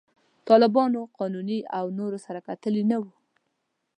طالبانو، قانوني او نور سره کتلي نه وای.